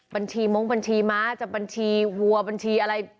บัญชีมงบัญชีม้าจะบัญชีวัวบัญชีอะไร